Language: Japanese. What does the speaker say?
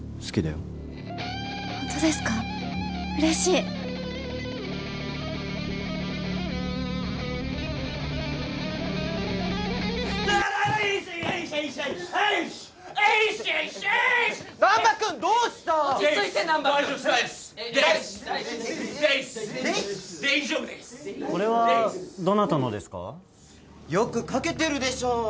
よく描けてるでしょ。